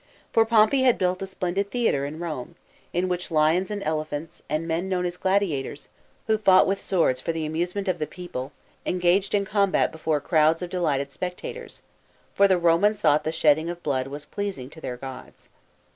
For Pompey had built a splendid theatre in Rome, in which lions and elephants, and men known as gladiators, who fought with swords, for the amusement of the people, engaged in combat before crowds of de lighted spectators ; for the Romans thought the shedding of blood was pleasing to their gods.